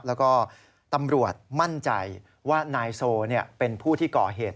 แล้วก็ตำรวจมั่นใจว่านายโซเป็นผู้ที่ก่อเหตุ